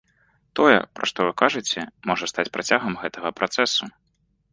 Тое, пра што вы кажыце, можа стаць працягам гэтага працэсу.